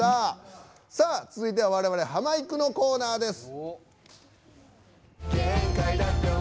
続いては我々ハマいくのコーナーです。